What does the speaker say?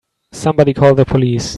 Somebody call the police!